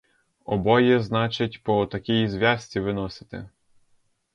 Обоє, значить, по отакій зв'язці виносите?